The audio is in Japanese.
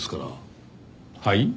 はい？